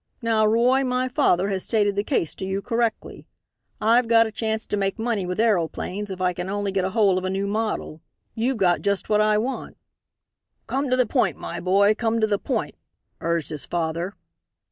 Now, Roy, my father has stated the case to you correctly. I've got a chance to make money with aeroplanes if I can only get hold of a new model. You've got just what I want." "Come to the point, my boy, come to the point," urged his father.